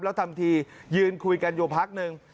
แล้วทำทียืนคุยกันอยู่พักหนึ่ง